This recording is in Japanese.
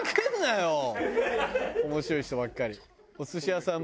面白い人ばっかり。